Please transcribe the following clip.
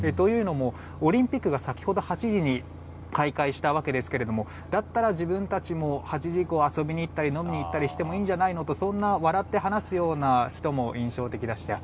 オリンピックが先ほど８時に開会したわけですがだったら自分たちも８時以降遊びに行ったり飲みに行ったりしていいんじゃないかと笑って話す人も印象的でした。